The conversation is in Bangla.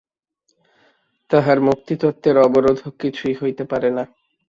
তাহার মুক্তিতত্ত্বের অবরোধক কিছুই হইতে পারে না।